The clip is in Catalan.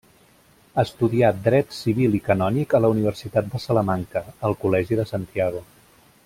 Estudià Dret Civil i Canònic a la Universitat de Salamanca, al Col·legi de Santiago.